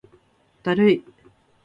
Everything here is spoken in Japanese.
だるい